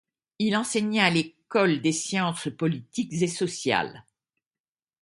Il enseigna à l'École des sciences politiques et sociales.